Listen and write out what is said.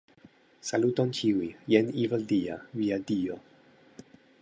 Saluton ĉiuj, jen Evildea, via dio.